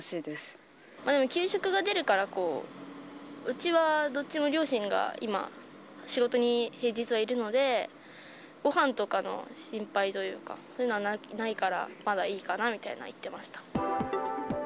でも、給食が出るから、うちはどっちも両親が今、仕事に平日はいるので、ごはんとかの心配というか、そういうのはないから、まだいいかなみたいなのは言ってました。